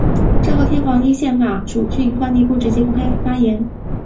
昭和天皇依立宪君主惯例不直接公开发言。